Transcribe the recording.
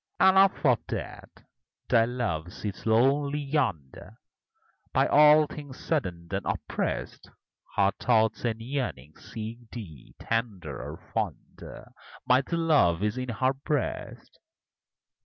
Enough of that! Thy love sits lonely yonder, By all things saddened and oppressed; Her thoughts and yearnings seek thee, tenderer, fonder, mighty love is in her breast.